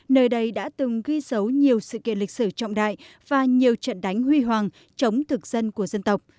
nơi đây đã từng ghi dấu nhiều sự kiện lịch sử trọng đại và nhiều trận đánh huy hoàng chống thực dân của dân tộc